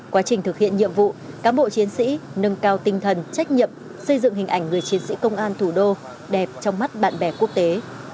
quá trình thực hiện nhiệm vụ cán bộ chiến sĩ nâng cao tinh thần trách nhiệm xây dựng hình ảnh người chiến sĩ công an thủ đô đẹp trong mắt bạn bè quốc tế